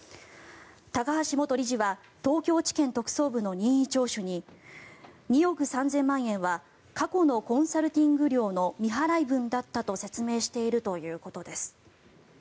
高橋元理事は東京地検特捜部の任意聴取に２億３０００万円は過去のコンサルティング料の未払い分だったと説明しているということです。